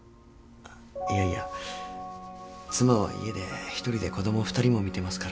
いやいや妻は家で１人で子供２人も見てますから。